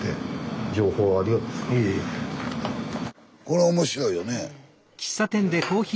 これ面白いよね。